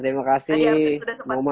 terima kasih mbak melfri